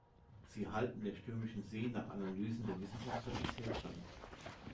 Sie halten der stürmischen See nach Analysen der Wissenschaftler bisher stand.